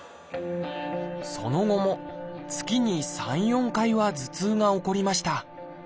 その後も月に３４回は頭痛が起こりました。